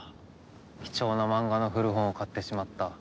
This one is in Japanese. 貴重なマンガの古本を買ってしまった。